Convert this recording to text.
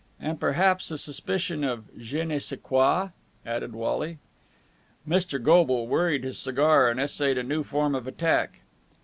"And perhaps a suspicion of je ne sais quoi," added Wally. Mr. Goble worried his cigar, and essayed a new form of attack.